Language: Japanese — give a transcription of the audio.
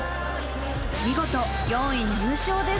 見事、４位入賞です。